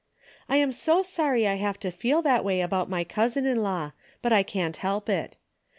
I am so sorry I have to feel that way about my cousin in law, but I can't help it.